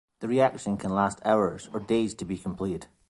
The reaction can last hours or days to be completed.